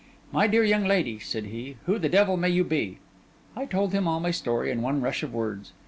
'My dear young lady,' said he, 'who the devil may you be?' I told him all my story in one rush of words.